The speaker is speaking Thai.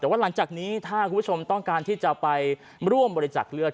แต่ว่าหลังจากนี้ถ้าคุณผู้ชมต้องการที่จะไปร่วมบริจักษ์เลือด